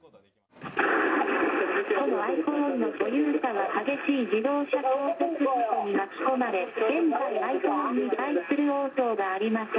このｉＰｈｏｎｅの所有者は、激しい自動車衝突事故に巻き込まれ、現在、ｉＰｈｏｎｅに対する応答がありません。